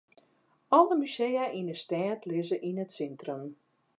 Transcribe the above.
Alle musea yn 'e stêd lizze yn it sintrum.